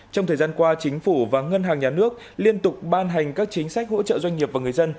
trong thời gian qua chính phủ và ngân hàng nhà nước liên tục ban hành các chính sách hỗ trợ doanh nghiệp và người dân